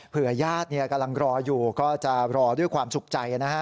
ญาติกำลังรออยู่ก็จะรอด้วยความสุขใจนะฮะ